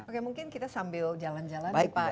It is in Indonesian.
oke mungkin kita sambil jalan jalan nih pak heru